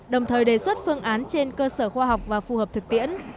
đồng thời đề xuất phương án trên cơ sở khoa học và phù hợp thực tiễn